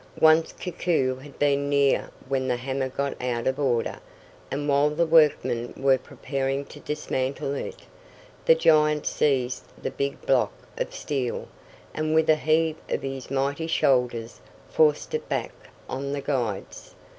Once Koku had been near when the hammer got out of order, and while the workmen were preparing to dismantle it, the giant seized the big block of steel, and with a heave of his mighty shoulders forced it back on the guides.